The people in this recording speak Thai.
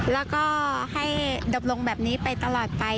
แล้วก็ให้ดบลงแบบนี้ไปตลอดไป